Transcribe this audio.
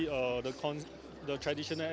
dari sisi sme tradisional